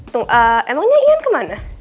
tung emangnya ian kemana